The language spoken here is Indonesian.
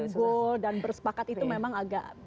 goal dan bersepakat itu memang agak